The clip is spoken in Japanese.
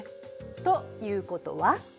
ということは？